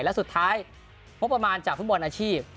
และสุดท้ายงบประมาณจากฟุตบอลอาชีพ